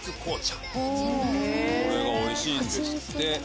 これがおいしいんですって。